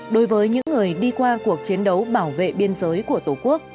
đối với những người đi qua cuộc chiến đấu bảo vệ biên giới của tổ quốc